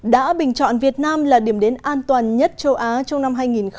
đã bình chọn việt nam là điểm đến an toàn nhất châu á trong năm hai nghìn hai mươi